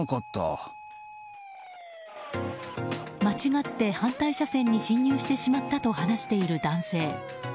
間違って反対車線に進入してしまったと話している男性。